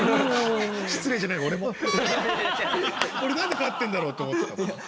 俺なんで勝ってんだろうって思ってたのよ。